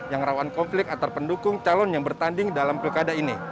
yang rawan konflik antar pendukung calon yang bertanding dalam pilkada ini